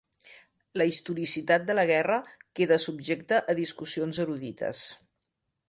La historicitat de la guerra queda subjecta a discussions erudites.